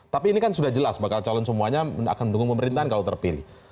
tapi ini kan sudah jelas bakal calon semuanya akan mendukung pemerintahan kalau terpilih